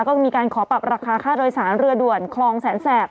ก็มีการขอปรับราคาค่าโดยสารเรือด่วนคลองแสนแสบ